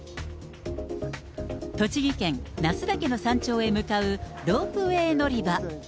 栃木県那須岳の山頂へ向かうロープウエー乗り場。